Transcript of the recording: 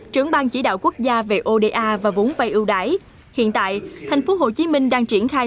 trưởng bang chỉ đạo quốc gia về oda và vốn vay ưu đãi hiện tại tp hcm đang triển khai